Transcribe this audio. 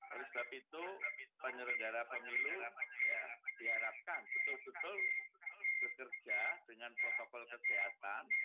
oleh sebab itu penyelenggara pemilu diharapkan betul betul bekerja dengan protokol kesehatan